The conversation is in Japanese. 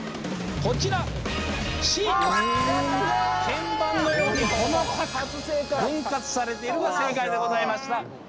鍵盤のように細かく分割されているが正解でございました！